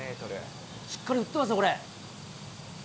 しっかり打ってますよ、これ。